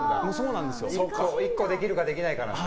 １個できるかできないかなんだ。